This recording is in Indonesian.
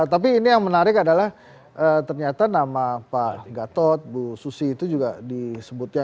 tapi ini yang menarik adalah ternyata nama pak gatot bu susi itu juga disebutnya